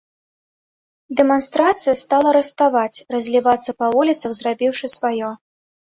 Дэманстрацыя стала раставаць, разлівацца па вуліцах, зрабіўшы сваё.